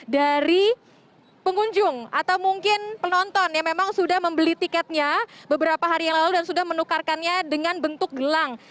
dari pengunjung atau mungkin penonton yang memang sudah membeli tiketnya beberapa hari yang lalu dan sudah menukarkannya dengan bentuk gelang